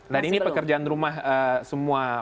dan ini pekerjaan rumah semua